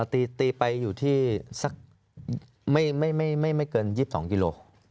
ตีไปอยู่ที่สักไม่เกิน๒๒กิโล